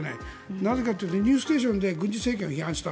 なぜなら「ニュースステーション」で軍事政権を批判した。